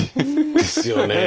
ですよね。